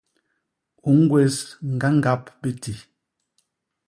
U ñgwés ñgañgap biti.